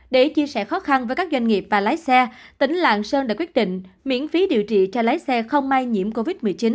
để chia sẻ khó khăn với các doanh nghiệp và lái xe tỉnh lạng sơn đã quyết định miễn phí điều trị cho lái xe không may nhiễm covid một mươi chín